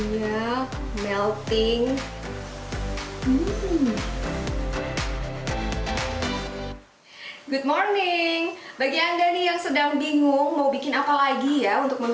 ya melting good morning bagi anda nih yang sedang bingung mau bikin apa lagi ya untuk